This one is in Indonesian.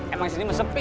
emang disini mesempi